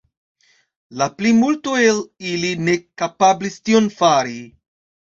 La plimulto el ili ne kapablis tion fari.